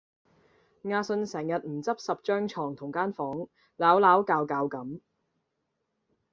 阿信成日唔執拾張床同間房澩澩嫪嫪咁